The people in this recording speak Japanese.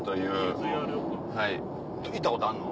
行ったことあんの？